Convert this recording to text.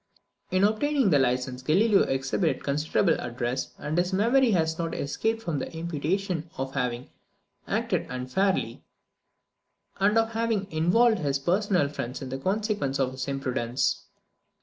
In obtaining this license, Galileo exhibited considerable address, and his memory has not escaped from the imputation of having acted unfairly, and of having involved his personal friends in the consequences of his imprudence.